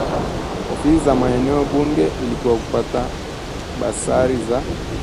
ofisi za maeneo bunge ili kupata basari za